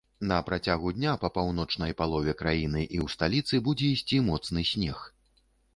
На працягу дня па паўночнай палове краіны і ў сталіцы будзе ісці моцны снег.